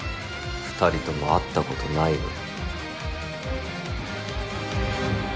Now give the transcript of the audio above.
２人とも会ったことないのに。